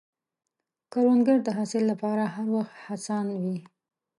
کروندګر د حاصل له پاره هر وخت هڅاند وي